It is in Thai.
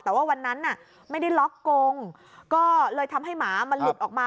แต่ว่าวันนั้นน่ะไม่ได้ล็อกกงก็เลยทำให้หมามันหลุดออกมา